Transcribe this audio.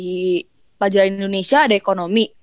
di pelajaran indonesia ada ekonomi